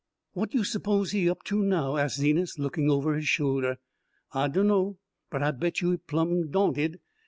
"What you s'pose he up to now?" asked Zenas, looking over his shoulder. "I dunno but I bet you he plumb da'nted.